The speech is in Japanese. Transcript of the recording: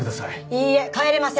いいえ帰れません！